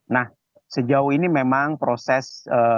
nah sejauh ini memang proses